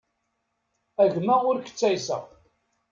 A gma ur k-ttayseɣ.